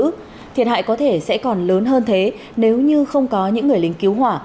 thiệt hại có thể sẽ còn lớn hơn thế nếu như không có những người lính cứu hỏa